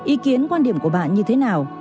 ý kiến quan điểm của bạn như thế nào